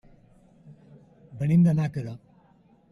Venim de Nàquera.